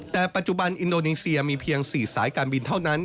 แต่ปัจจุบันอินโดนีเซียมีเพียง๔สายการบินเท่านั้น